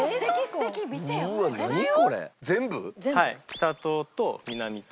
北棟と南棟。